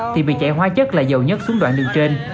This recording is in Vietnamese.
thì việc chạy hóa chất là dầu nhất xuống đoạn đường trên